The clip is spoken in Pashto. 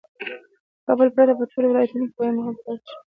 له کابل پرته په ټولو ولایتونو کې په هم مهاله ترسره شوه.